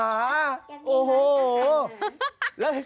อาหารหมาโอ้โห